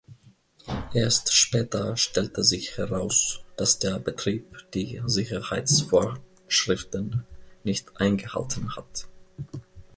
Erst später stellte sich heraus, dass der Betrieb die Sicherheitsvorschriften nicht eingehalten hat!